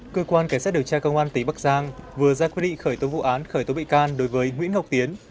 cơ quan cảnh sát điều tra công an tỉnh bắc giang vừa ra quyết định khởi tố vụ án khởi tố bị can đối với nguyễn ngọc tiến